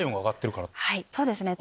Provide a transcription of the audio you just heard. そうですね